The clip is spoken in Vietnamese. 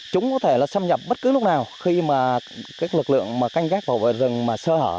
chúng có thể xâm nhập bất cứ lúc nào khi mà các lực lượng canh gác vào rừng sơ hở